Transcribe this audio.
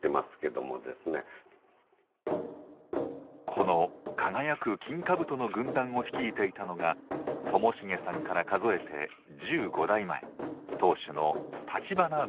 この輝く金かぶとの軍団を率いていたのが寛茂さんから数えて１５代前当主の立花宗茂です。